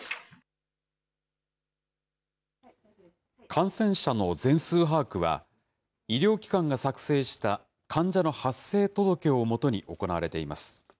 感染者の全数把握は、医療機関が作成した患者の発生届をもとに行われています。